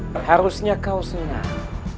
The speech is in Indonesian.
fatih harusnya kau senang